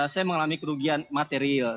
saya mengalami kerugian material